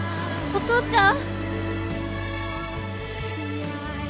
お父ちゃん！